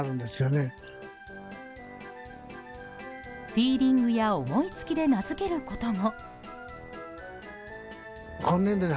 フィーリングや思いつきで名付けることも。